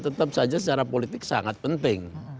tetap saja secara politik sangat penting